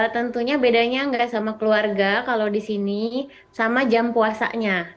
tentunya bedanya nggak sama keluarga kalau di sini sama jam puasanya